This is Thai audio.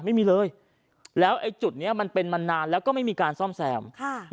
ไม่มีเลยแล้วไอ้จุดนี้มันเป็นมานานแล้วก็ไม่มีการซ่อมแซม